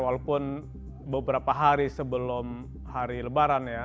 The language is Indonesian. walaupun beberapa hari sebelum hari lebaran ya